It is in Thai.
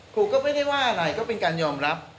ครูก็ไม่ได้ว่าอะไรก็เป็นการยอมรับ